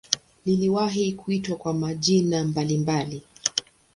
Iliwahi kuitwa kwa majina mbalimbali.